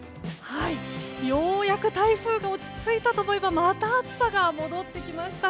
ようやく台風が落ち着いたと思えばまた暑さが戻ってきました。